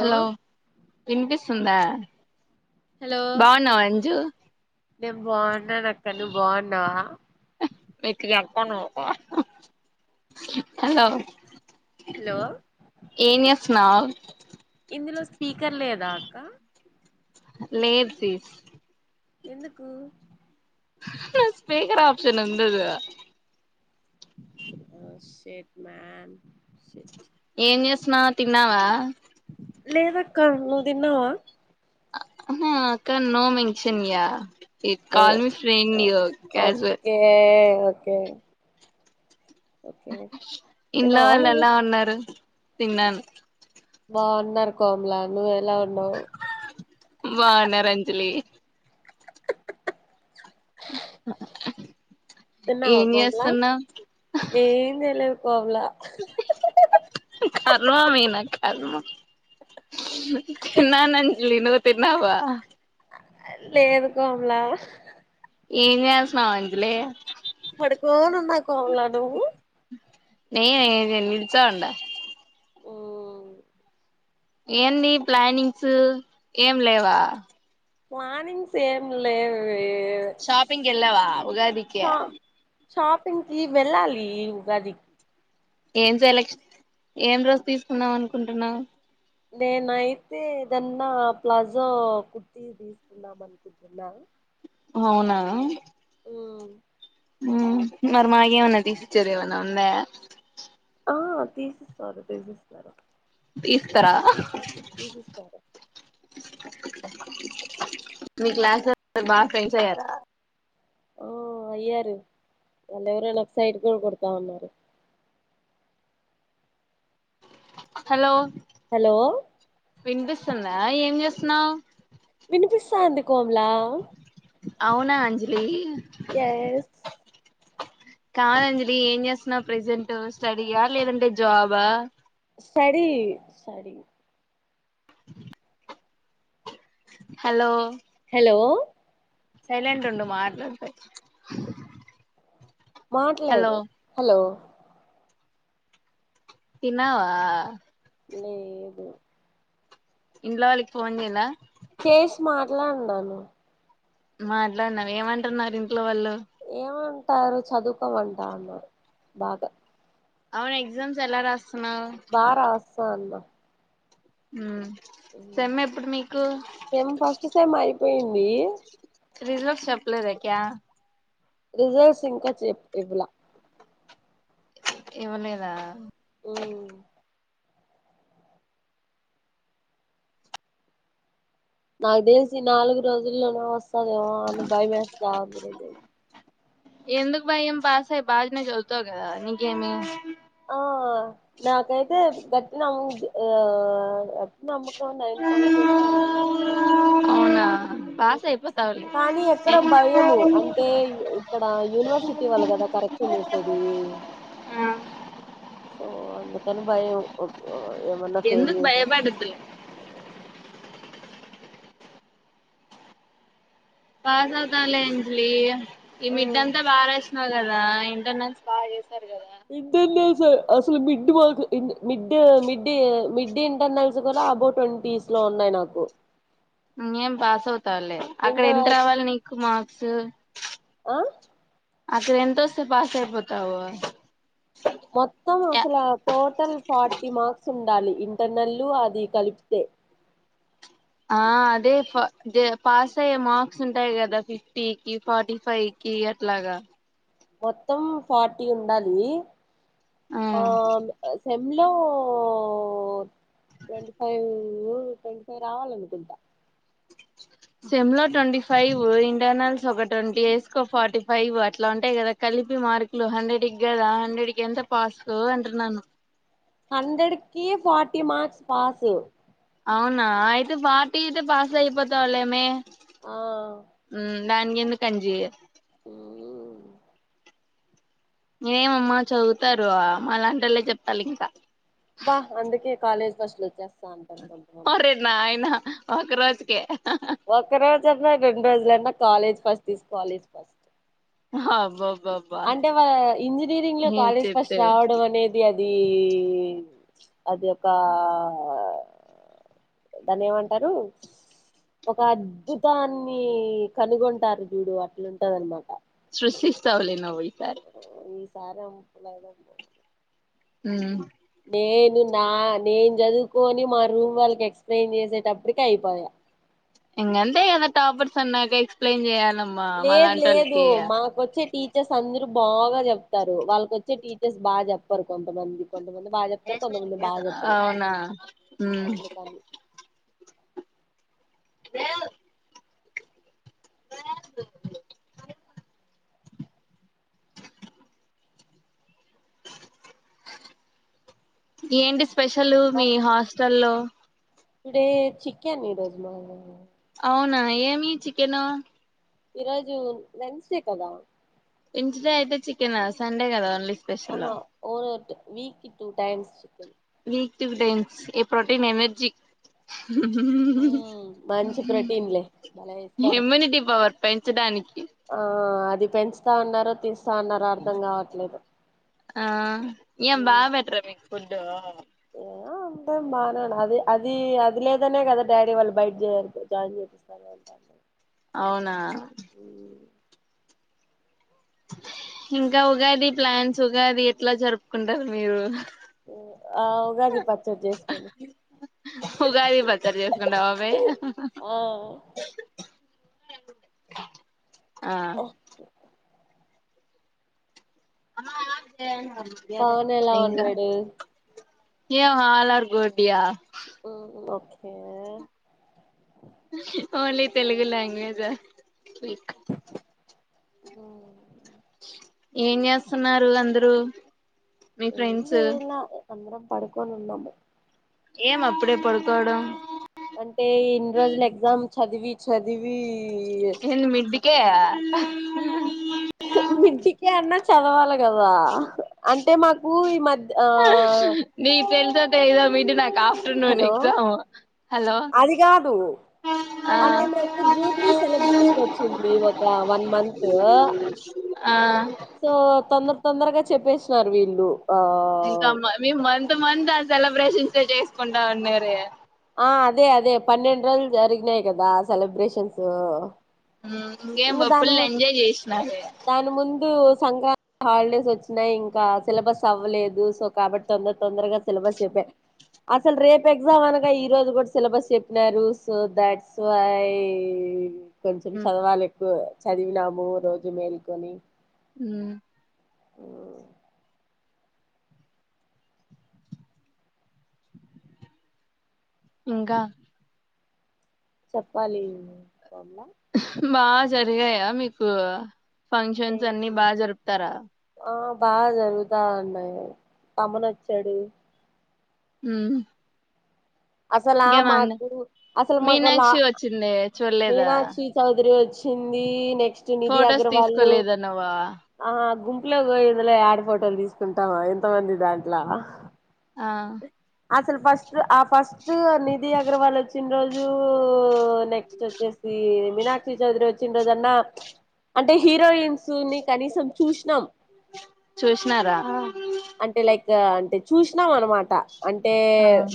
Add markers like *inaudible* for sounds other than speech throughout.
Hello వినిపిస్తుందా hello బాగున్నావా అంజు నేను బాగున్నాను అక్క నువ్వు బాగున్నావా ఎక్కువ కలుతానవా అక్క హలో హలో ఏం చేస్తున్నావ్ *inaudible* ఇందులో స్పీకర్ లేదా అక్క లేదు తీస్ ఎందుకు స్పీకర్ ఆప్షను దుగా ఓ షిట్ మాన్ షిట్ ఏం చేస్తున్నావ్ తిన్నావా లేదక్క నువ్వు తిన్నావా ఆహా అక్క నో మెన్షన్ యా ఇ call me friend yo casual okay okay okay ఇంట్లో తిన్నావా వాళ్ళు నువ్వు ఎలా ఉన్నారు తిన్నాను బాగున్నారు కోమల నువు ఎల్ బన్నారు అంజలి తిన్నావా ఏం కోమల చేస్తున్నావ్ చర్ లా కర్మ మే నా కర్మ తిన్నాను అంజలి నువ్వు తిన్నావా లేదు కోమల ఏం చేస్తున్నావ్ అంజలి పడుకోనున్నా కోమలా నువ్వు నేనే నేన్ నిల్చో ఉండా మ్ ఏంది ప్లానింగ్సు ఏం లేవా ప్లానింగ్స్ ఏం లేవే షాపింగ్ కి వెళ్ళావా ఉగాది కి షా షాపింగ్ కి వెళ్ళాలి ఉగాదికి ఏం సైలక్ష ఏం డ్రెస్ తీసుకున్నాం అనుకుంటున్నావు నేనయితే ఏదన్నా ప్లాజో కుర్తి తీసుకుందాం అనుకుంటున్నా అవునా మ్ మ్ మర్ మాగేమన్నా తీసిచేదేమన్న ఉందా ఆ తీసిస్తారు తీసిస్తారు ఇస్తరా తీసి ఇస్తారా మీ క్లాసోళ్ళు నా బాగా ఫ్రెండ్స్ అయ్యారు ఆ అయ్యారు వాళ్ళు ఎవరో నాకు సైట్ కూడా కొడతా ఉన్నారు హలో హలో వినిపిస్తుందా ఏం చేస్తున్నావు వినిపిస్తాందికోంలా అవునా అంజలి ఎస్ కాదంజలి ఏం చేస్తున్నా ప్రజెంట్ స్టడీయా లేదంటే జాబా సడి సడి హలో హలో సైలంట్ ఉండు మాట్లాడతే మాట్లాడు హలో తిన్నావా? లేదు ఇంలోవళికి పోవందలా చేసి మాట్లాడిడాను మాట్లాడునాం ఏమంటున్నారు ఇంట్లో వాళ్ళు ఏవ ట్టారు చదువుకం వంటన్నారు బాగా అవున్ ఎక్సామ్స్ ఎల్స్త బార ఆసా అన్మా హ సేమ్ ఫస్ట్ సెమ్ అయిపోయింది పోయి రిజల్ట్స్ చెప్లేద ఇంకా రిజల్ట్స్ ఇంకా చెప్ ఇవలా ఇవ్వ లేదా ఆ నాకు తెలిసి ఈ నాలుగు రోజుల్లోనే వస్తదేమో అని భయమేస్తా అ ఎందుకు భయం పాసయి బానే చదువుతావ్ కదా నీకేం భయం ఆ నాకైతే గట్టి న ఆ నమకు నైన్ పాయింట్ ఎస్తా అడి అవునా పాస్ అయిపోతావులే కానీ ఆ ఎక్కడో భయము అంటే ఇక్కడ యూనివర్సిటీ వాళ్ళ కదా కరెక్షన్ వసేది సో ఎందుక భయం ఏమన్నా ఫెయిల్ ఎందుకు చేసేస్తే భయపడతు పాసాదాాల అంజలిలీ ఈ మిడ్ంతా బార కదా ఇంటర్నెల్స్ బాగా చేసారు కదా ఇంటర్నల్స్ అసలు మిడ్ మిడ్ మిడ్డ మిడ్డ ఇంటర్నల్స్ కూడా అబౌ్ ట్వంటీస్ లో ఉన్నాయి నాకు ఏం పాస్ అవుతాలే అక్కడ ఇంకా ఎంత రావాలి నీకు మార్క్స్ ఆ అక్కడ ఎంత వస్తే పాస్ అయిపోతావు మొత్తం అసలు టోటల్ ఫార్టీ మార్క్స్ ఉండాలి ఇంటర్నెల్లు అది కలిపితే ఆ అదే పాస్ అయ్యే మార్క్స్ ఉంటాయి కదా ఫిఫ్టీకిి ఫార్టీ ఫైవ్ కి అట్లాగా మొత్తం ఫార్టీ ఉండాలి ఆ సెమ్ ఇందులో ట్వంటీ ఫైవ్ ట్వంటీ ఫైవ్ రావాలనుకుంటా సెమ్లో ట్వంటీ ఫైవ్ ఇంటర్నల్స్ ఒక ట్వంటీ ఎస్కో ఫార్టీ ఫైవ్ అట్లా ఉంటాయి కదా కలిపి మార్కులు హండ్రెడ్కి కదా హండ్రెడ్కి ఎంత పాస్ అంటున్నాను హండ్రెడ్కి ఫార్టీ మార్స్ పాస్ అవునా అయితే ఫార్టీ అయితే పాస్ అయిపోతా వాలేమే ఆ దానికెందుకు అంజి ఏమమ్మా చదువుతారు మాలాంటోళ్ళే చెప్పాలింకా బా అందుకే కాలేజ్ ఫస్టులు వచ్చేస్తా అంటారు కొంతమంది అరే నాయనా ఒకరోజుకే ఒక్కరోజన్నా రెడ్రోజులన్న college first is college first హాబ్బబ్ అంటే వా ఇంజనీరింగ్ లో ఏం కాలేజ్ ఫస్ట్ చెప్పేవి రావడం అనేది అది అది అది ఒక దాన్ని ఏమంటారు ఒక అద్భుతాన్ని కనుగొంటారు చూడు అట్లుంటది అనమాట సృష్టిస్తావలే నవ్వి సరే సారా *unintelligible* ఉమ్ నేను నా నేను చదువుకొని మా రూమ్ వాళ్ళకి ఎక్స్ప్లెయిన్ చేసేటప్పటికి అయిపోయా ఇంగంత అ టాపట్స్ అన్నాక ఎక్సప్లయిన్ చేయాల లేదు లేదు మాకు వచ్చే టీ చర్స్ అందరు బాగా చెప్తారు వాళ్ళకొచ్చే టీచర్స్ బాగా చెప్పారు కొంతమంది కొంతమంది బాగా చెప్తారు కొంతమంది బాగా చెప్పరు అవునా అందుకని *unintelligible* ఏంటి స్పెషల్ మీ హాస్టల్ లో ఇప్పుడే చికెన్ ఈ రోజు అవునా ఏమి చికెను ఈరోజు వెండ్స్ డే కదా వెండ్స్ డే అయితే చికెనా సండే కదా ఓన్లీ స్పెషల్ ఓహో ఓరొట్టె వీక్ కి two times chicken week two times ఏ ప్రోటీన్ ఎనర్జీ మ్మ్, మంచి ప్రోటీన్లే భలే ఇస్తారు ఇమ్యూనిటీ పవర్ పెంచడానికి ఆ అది పెంచుతా ఉన్నారో తీ స్తావున్నారో అర్థం కావట్లేదు ఆ ఏం బా పెట్రా మీకు ఫుడ్ అ ఆ అంటే బాగానే అది అది అది లేదనే కదా డాడీ వాళ్ళు బయట చేయరు జాయిన్ చేపిస్తారు అంట అవునా ఇంకా ఉగాది ప్లాన్స్ ఉగాది ఎట్లా జరుపుకుంటారు మీరు ఆ ఉగాది పచ్చడి చేసుకుని ఉగాది ప చాడి చేసుకుంటావావే ఆ *inaudible* ఆ *unintelligible* పవన్ ఎలా ఉన్నాడు ఏ అల్ అర్ గుడ్ య హ్మ్ ఓకే ఓన్లీ తెలుగు లాంగ్వేజ్ ఉ ఏం చేస్తున్నారు అందరూ మీ ఏం ఫ్రెండ్స్ చేయలా అందరం పడుకోని ఉన్నాము ఏం అప్పుడే పడుకోడం చదివీ ఎన్ మిడికే హుహు హు మిడీకే అన్న చదవాలే కవా ఆ అంటే మాకు ఈ మధ్య ఆ తో తేలీదా మీడి నాక్ హలో అది కాదు ఆ అంటే మాకు జూబ్లీ సెలబ్రేషన్ వచ్చింది ఒక వన్ మంతు ఆ సో తొందర్ తొందరగా చెప్పేసిన్నారు వీళ్ళు ఏళ్తామ్మ మీ మంతు మంతు అసలు సెలెబ్రేషన్స్ చేసుకుంటా ఉన్నారే ఆ అదే అదే పన్నెండు రోజులు జరిగినాయి గదా సెలబ్రేషన్సు హు ఇంగేమ్ ఫుల్ల్ ఎంజాయ్ చేశానారే దాని ముందు సంక్రాంతి హాలిడేస్ వచ్చినాయి ఇంకా సిలబస్ అవ్వలేదు సో కాబట్టి తొందర తొందరగా సిలబస్ చెప్పారు అసలు రేపు ఎగ్జామ్ అనగా ఈ రోజు కూడా సిలబస్ చెప్పినారు సో దట్స్ వై కొంచం చదవాలి గొ చదివినాము రోజు మేల్కొని హ్మ్మ్ మ్మ్ ఇంక చెప్పాలి బామ్మ హూ బాగా జరిగాయా మీకు ఫంక్షన్స్ అన్ని ఏంటి బాగా జరుపుతారా ఆ బాగా జరుగుతాయండి తమ్ముడొచ్చాడు మ్మ్ హ్ అసలు ఆ మాకు అసలు మాకు వాళ్ల ఆ మీనాక్షి వచ్చింది చూడలేదా మీనాక్షి చౌదరి వచి చున్నీ నెక్ శ్రీ నిధి ఫొటోస్ అగర్వాలు తీసుకోలేదా నువ్వు ఆ గుంపు ఇట్లగా ఇందులో ఆడ ఫోటోలు తీసుకుంటామా ఇంతమంది దాట్ల ఆ అసలు ఫస్ట్ సు ఆ ఫస్టు నీద్ అర్తి అగర్వాల్ వచ్చిన రోజు నెక్స్ట్ వచ్చేసి మీనాక్షీ చౌదరి వచ్చిన రోజన్నా ప్చ్ అంటే హీరోయిన్స్ ని కనీసం చూసినం చూసినారా అంటే లైక్ అంటే చూసినా అన్నమాట ట అంటే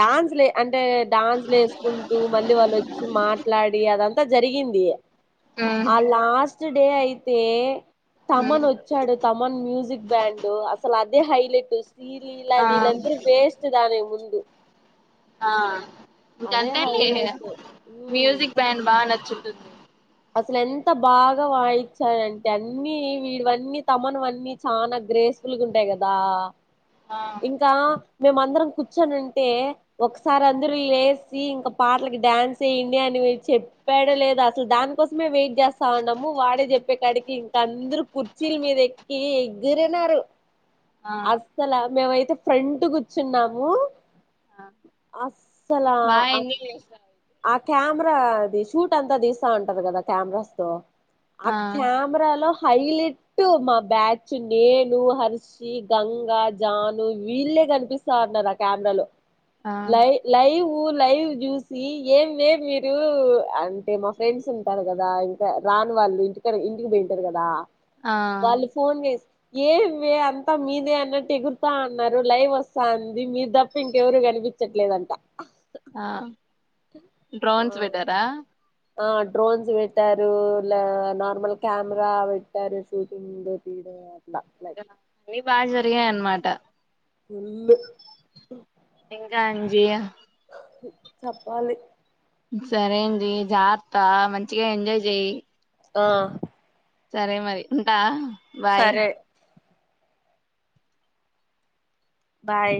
డాన్స్ లే అంటే డాన్స్ లేేసుకుంటూ మళ్ళీ వాళ్ళు వచ్చి మాట్లాడి అదంతా అంత జరిగింది హ్మ్ ఆ లాస్ట్ ఫిఫ్త్ డే అయితే హ్మ్ తమన్ వచ్చాడు తమన్ మ్యూజిక్ బ్యాండు అసలు అదు ది హైలైట్ శ్రీలీలా ఆ వీళ్ళందరూ వేస్ట్ దాని ముందు ఆ అదే ఇంకంతలే హైలైట్ ఉమ్. మ్యూజిక్ బ్యాండ్ బాగా నచ్ చ్ తుంది అసలు ఎంత బాగా వాయిచ్చారంటే అన్నీ వీడివన్నీ తమనువన్నీ చనా గ్రేస్ఫుల్ గా ఉంటాయి గదా ఆ ఇంకా మేమందరం కూర్చోనుంటే ఒకసారి అందరూ లేసి ఇంక పాటలకి డ్యాన్స్ వేయండి అని చెప్పాడో లేదో అసలు దానికి కోసమే వెయిట్ చేస్తా ఉన్నాము వాడే చెప్పే కాడికి ఇంక అందరు కుర్చీల మీద ఎక్కి ఎగిరినారు ఆ అస్సలమే వైపు ఫ్రంట్ కూర్చున్నాము ఆ అస్సలా బాగా ఎంజాయ్ చేసావు ఆ క్యామరా అది షూట్ అంతా దీస్తా ఉంటారు గదా కెమెరాస్ తో ఆ క్యామరాలో హైలెట్ మా బ్యాచ్ నేను హర్షి గంగ జాను వీళ్ళే గనిపిస్తాన్నారు ఆ కెమెరా లో ఆ లై లైవ్ వూ లైవ్ జూస్ సి ఏం వే మీరు అంటే మా ఫ్రెండ్స్ ఉంటారు కదా ఇంకా రాని వాళ్ళు ఇంటిక ఇంటికి బోయింటారు గదా ఆ వాళ్ళు ఫోన్ చేసి ఏమె అంతా మీదే అన్నట్టు ఎగురుతా అన్నారు లైవ్ వస్తాంది మీరు దప్ప ఇంకెవరు కనిపించట్లేదంట ఆ డ్రోన్స్ పెట్టారా ఆ డ్రోన్స్ వెట్టారూ నార్మల్ క్యామరా వెట్టారు షూటింగ్ *unintelligible* ఇంగా అన్ని బాగ జరిగాయి అన్నమాట ఫుల్లు *unintelligible* చప్పాలి సరే అండి జాగ్రత్త మంచిగా ఎంజాయ్ జెయ్యి ఆ సరే మరి ఉంటా బాయ్ సరే బాయ్